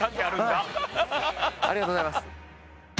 ありがとうございます。